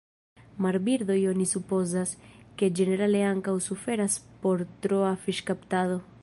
Marbirdoj oni supozas, ke ĝenerale ankaŭ suferas por troa fiŝkaptado.